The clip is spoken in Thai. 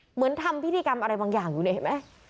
เหมือนทำพิธีกรรมอะไรบางอย่างอยู่นี่เห็นไหม